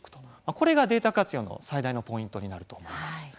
これがデータ活用の最大のポイントになると思います。